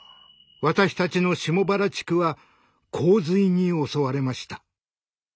私たちの下原地区は洪水に襲われました。